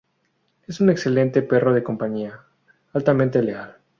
Es un excelente perro de compañía, altamente leal.